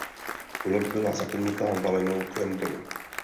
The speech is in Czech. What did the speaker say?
Loď byla zaklenuta valenou klenbou.